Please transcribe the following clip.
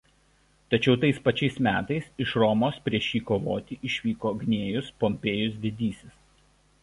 Tačiau tais pačiais metais iš Romos prieš jį kovoti išvyko Gnėjus Pompėjus Didysis.